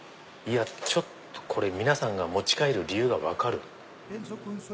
ちょっとこれ皆さんが持ち帰る理由が分かる。